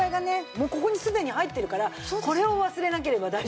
もうここにすでに入ってるからこれを忘れなければ大丈夫よ。